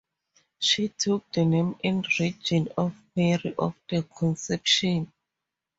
She took the "name in religion" of Mary of the Conception.